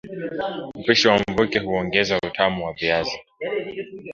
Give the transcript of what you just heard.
Upishi wa mvuke huongeza utamu wa viazi